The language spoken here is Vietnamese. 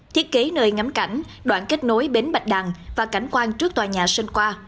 thiết kế nơi ngắm cảnh đoạn kết nối bến bạch đằng và cảnh quan trước tòa nhà sơn qua